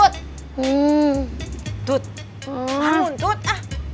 tuh bangun tuh